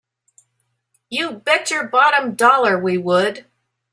You bet your bottom dollar we would!